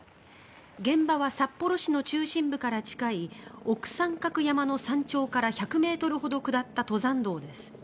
現場は札幌市の中心から近い奥三角山の山頂から１００ｍほど下った登山道です。